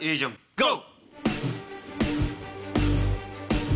ゴー！